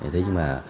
thế nhưng mà